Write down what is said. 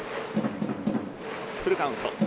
フルカウント。